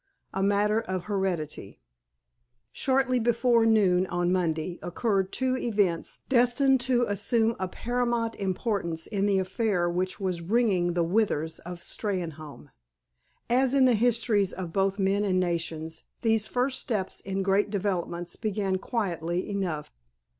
A Matter of Heredity Shortly before noon on Monday occurred two events destined to assume a paramount importance in the affair which was wringing the withers of Steynholme. As in the histories of both men and nations, these first steps in great developments began quietly enough.